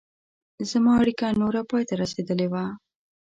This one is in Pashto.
زما اړیکه نوره پای ته رسېدلې وه.